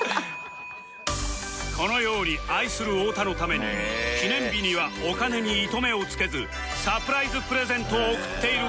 このように愛する太田のために記念日にはお金に糸目をつけずサプライズプレゼントを贈っている近藤さんですが